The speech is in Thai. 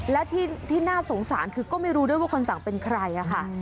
และที่น่าสงสารคือก็ไม่รู้ด้วยว่าคนสั่งเป็นใครค่ะ